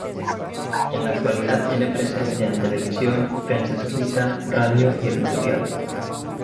En la actualidad tiene presencia en televisión, prensa escrita, radio y editoriales.